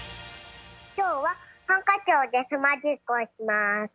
きょうはハンカチをけすマジックをします。